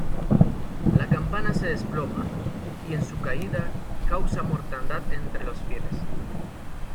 La campana se desploma y, en su caída, causa mortandad entre los fieles.